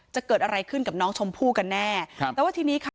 จะเกิดอะไรขึ้นกับน้องชมพู่กันแน่ครับแต่ว่าทีนี้ค่ะ